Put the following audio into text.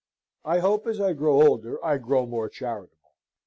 I hope as I grow older I grow more charitable.